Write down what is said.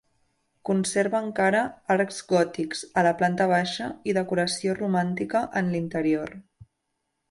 Conserva encara arcs gòtics a la planta baixa i decoració romàntica en l'interior.